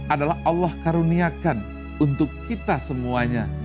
adalah allah karuniakan untuk kita semuanya